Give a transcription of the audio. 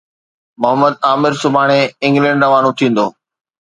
محمد عامر سڀاڻي انگلينڊ روانو ٿيندو